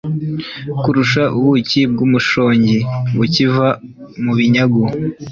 kurusha ubuki bw’umushongi bukiva mu binyagu